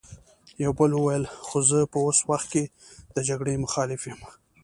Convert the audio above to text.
يوه بل وويل: خو زه په اوس وخت کې د جګړې مخالف يم!